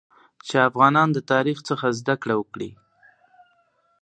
چې افغانان د تاریخ څخه زده کړه وکړي